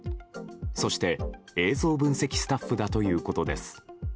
そして、映像分析スタッフだということです。